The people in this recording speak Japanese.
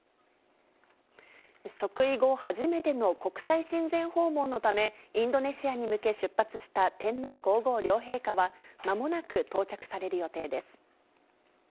即位後初めての国際親善訪問のため、インドネシアに向け出発した天皇皇后両陛下は、まもなく到着される予定です。